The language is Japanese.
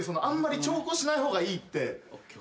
あんまり長考しない方がいいって。